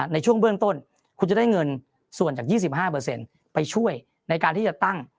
ในช่วงเบื้องต้นคุณจะได้เงินส่วนจาก๒๕ไปช่วยในการที่จะตั้ง